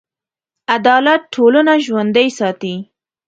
عدالت ټولنه ژوندي ساتي.